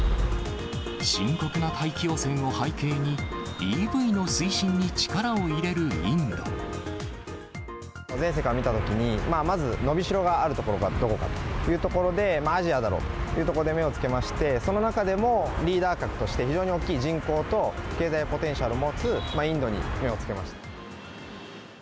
深刻な大気汚染を背景に、全世界を見たときに、まず伸びしろがあるところがどこかというところで、アジアだろうというところで目をつけまして、その中でも、リーダー格として、非常に大きい人口と経済ポテンシャルを持つインドに目をつけました。